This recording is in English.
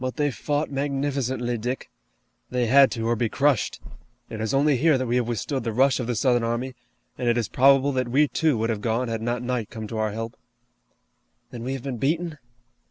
But they fought magnificently, Dick! They had to, or be crushed! It is only here that we have withstood the rush of the Southern army, and it is probable that we, too, would have gone had not night come to our help." "Then we have been beaten?"